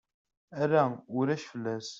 Ala ulac fell-as.